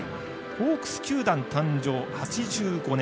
ホークス球団誕生８５年。